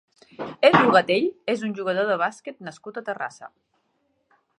Edu Gatell és un jugador de bàsquet nascut a Terrassa.